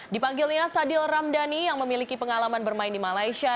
dipanggilnya sadil ramdhani yang memiliki pengalaman bermain di malaysia